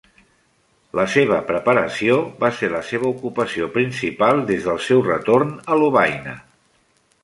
La seva preparació va ser la seva ocupació principal des del seu retorn a Lovaina.